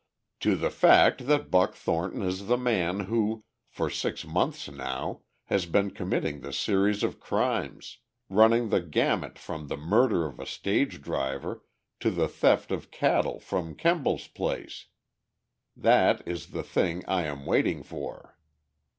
"To the fact that Buck Thornton is the man who, for six months now, has been committing the series of crimes, running the gamut from the murder of a stage driver to the theft of cattle from Kemble's place! That is the thing I am waiting for!"